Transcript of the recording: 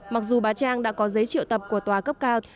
mặc dù bà trang đã có giấy triệu tập của tòa cấp cao